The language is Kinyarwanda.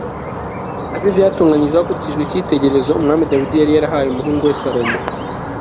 nabyo byatunganyijwe hakurikijwe icyitegererezo umwami dawidi yari yarahaye umuhungu we salomo